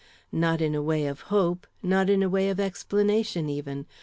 Not in way of hope, not in way of explanation even.